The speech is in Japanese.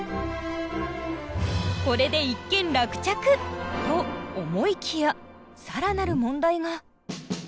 これで一件落着と思いきや更なる問題が。